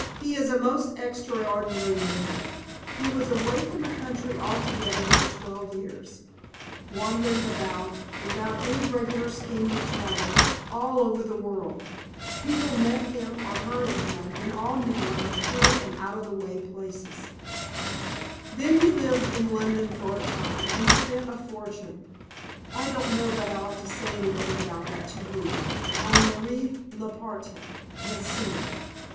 "He is a most extraordinary man. He was away from the country altogether for twelve years, wandering about, without any regular scheme of travel, all over the world. People met him or heard of him in all manner of queer and out of the way places. Then he lived in London for a time, and spent a fortune I don't know that I ought to say anything about that to you on Marie Leparte, the singer.